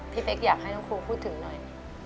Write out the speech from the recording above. พี่เป๊กอยากให้น้องครูพูดถึงหน่อย